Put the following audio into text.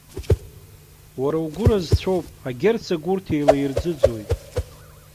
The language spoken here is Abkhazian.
Уара угәы разцәоуп, агерцог урҭ еилаирӡыӡоит.